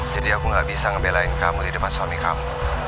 jadi aku gak bisa ngebelain kamu di depan suami kamu